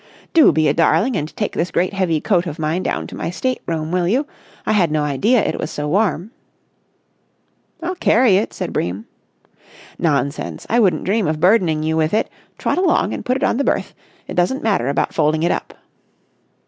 "Do be a darling and take this great heavy coat of mine down to my state room, will you? I had no idea it was so warm." "I'll carry it," said Bream. "Nonsense! I wouldn't dream of burdening you with it. Trot along and put it on the berth. It doesn't matter about folding it up."